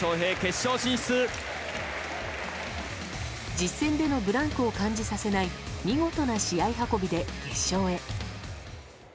実戦でのブランクを感じさせない見事な試合運びで、決勝へ。